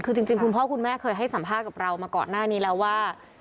คือจริงคุณพ่อคุณแม่เคยให้สัมภาษณ์กับเรามาก่อนหน้านี้แล้วว่า